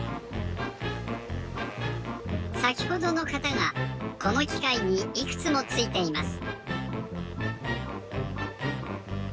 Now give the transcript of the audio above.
さきほどの型がこのきかいにいくつもついています。